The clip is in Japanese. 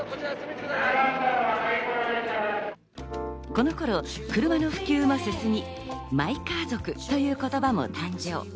この頃、車の普及も進み、マイカー族という言葉も誕生。